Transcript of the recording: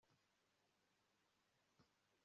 Nkimpandabavuza induru